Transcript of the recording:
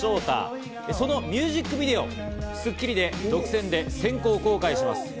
そのミュージックビデオを『スッキリ』で独占で先行公開します。